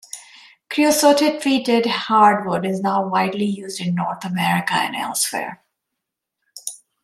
Creosote-treated hardwood is now widely used in North America and elsewhere.